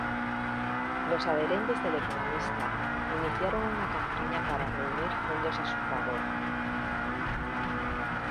Los adherentes del economista iniciaron una campaña para reunir fondos a su favor.